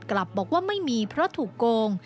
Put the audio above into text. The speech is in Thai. กลับบอกว่าไม่มีเพราะถูกโกง